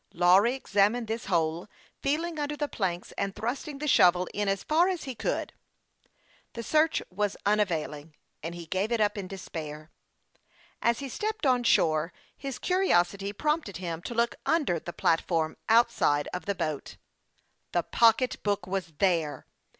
Lawry examined this hole, feeling under the planks, and thrusting the shovel in as far as he could. This starch, like the former ones, was unavail ing, and he gave it up in despair. As he stepped on shore, his curiosity prompted him to look under the platform outside of the boat. The pocketbook was there